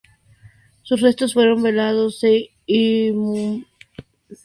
Sus restos fueron velados e inhumados en el cementerio Israelita.